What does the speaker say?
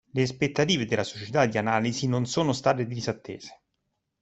Le aspettative della società di analisi non sono state disattese.